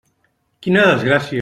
Quina desgràcia!